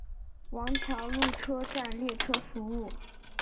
王桥路车站列车服务。